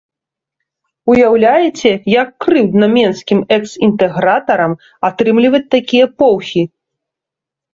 Уяўляеце, як крыўдна менскім экс-інтэгратарам атрымліваць такія поўхі!